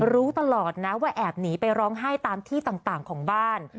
รู้ตลอดนะว่าแอบหนีไปร้องไห้ตามที่ต่างของบ้าน